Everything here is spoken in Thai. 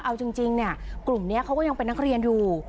เอาจริงเนี่ยกลุ่มนี้เขาก็ยังเป็นนักเรียนอยู่